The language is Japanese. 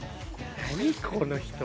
何この人？